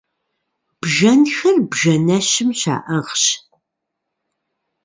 Бжэнхэр бжэнэщым щаӏыгъщ.